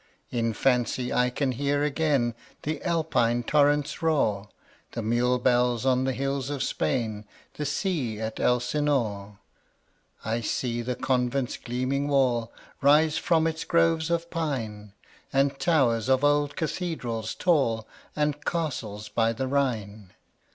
In fancy I can hear again The Alpine torrent's roar, The mule bells on the hills of Spain, 15 The sea at Elsinore. I see the convent's gleaming wall Rise from its groves of pine, And towers of old cathedrals tall, And castles by the Rhine.